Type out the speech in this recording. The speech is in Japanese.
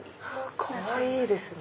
かわいいですね。